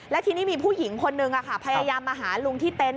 และทีนี้มีผู้หญิงคนนึงพยายามมาหาลุงที่เต็นต